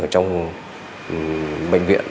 trong bệnh viện